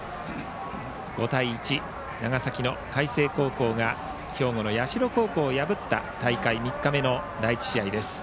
５対１、長崎の海星高校が兵庫の社高校を破った大会３日目の第１試合です。